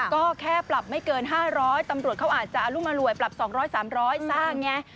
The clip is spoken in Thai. ก็แค่ปรับไม่เกิน๕๐๐ตำรวจเขาอาจจะอรุมอร่วยปรับ๒๐๐๓๐๐สร้างไง